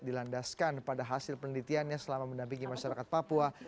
dilandaskan pada hasil penelitiannya selama mendampingi masyarakat papua